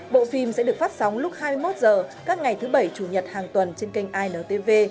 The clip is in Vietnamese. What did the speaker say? bộ phim sẽ được phát sóng lúc hai mươi một h các ngày thứ bảy chủ nhật hàng tuần trên kênh intv